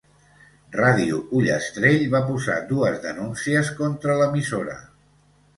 Ràdio Ullastrell va posar dues denúncies contra l'emissora.